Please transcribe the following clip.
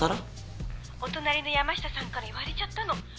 ☎お隣の山下さんから言われちゃったの。